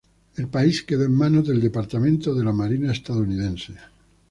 El país quedó en manos del Departamento de Marina estadounidense.